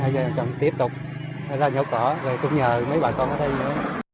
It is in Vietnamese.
hai giờ chọn tiếp tục ra nhấu cỏ rồi cũng nhờ mấy bà con ở đây nữa